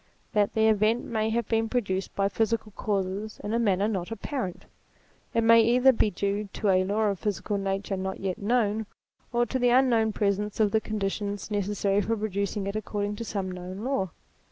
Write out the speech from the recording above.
that the event may have been produced by physical causes, in a manner not apparent. It may either be due to a law of physical nature not yet known, or to the un known presence of the conditions necessary for pro ducing it according to some known law.